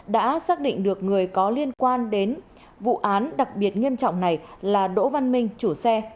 đã xác định được người có liên quan đến vụ án đặc biệt nghiêm trọng này là đỗ văn minh chủ xe